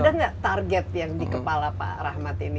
ada nggak target yang di kepala pak rahmat ini